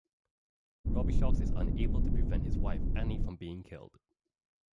Robicheaux is unable to prevent his wife Annie from being killed.